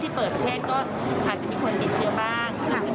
ถือเป็นนิมิตภายอันดีนะคะที่ประเทศไทยเปิดประเทศวันนี้นะคะ